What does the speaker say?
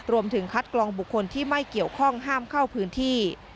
รวมถึงคัดกรองบุคคลที่ไม่เกี่ยวข้องห้ามเข้าพื้นที่